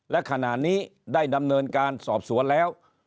และขณะนี้ได้ดำเนินการสอบสวนแล้ว